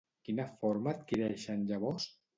Quina forma adquireixen llavors?